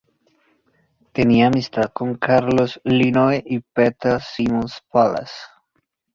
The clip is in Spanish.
Tenía amistad con Carlos Linneo y Peter Simon Pallas.